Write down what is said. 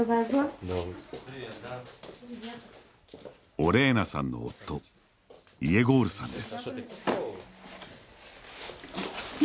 オレーナさんの夫イェゴールさんです。